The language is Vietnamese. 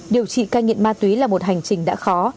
điều trị cai nghiện ma túy là một hành trình đã khó